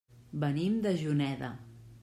Venim de Juneda.